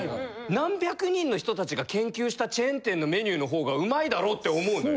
何百人の人たちが研究したチェーン店のメニューの方が美味いだろって思うのよ。